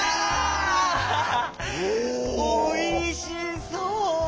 おいしそう。